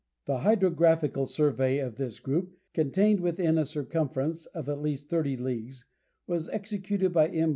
The hydrographical survey of this group, contained within a circumference of at least thirty leagues, was executed by M.